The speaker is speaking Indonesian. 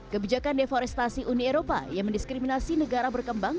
kebijakan deforestasi uni eropa yang mendiskriminasi negara berkembang